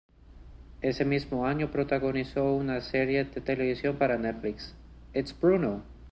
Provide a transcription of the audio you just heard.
Ese mismo año protagonizó una nueva serie de televisión para Netflix, "It's Bruno!